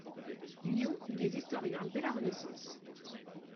Lyon eut des historiens dès la Renaissance.